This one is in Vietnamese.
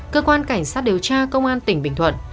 cơ quan cảnh sát điều tra công an tỉnh bình thuận